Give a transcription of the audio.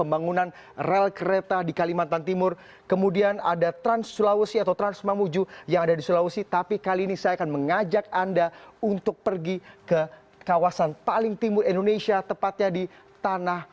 berikut laporannya untuk anda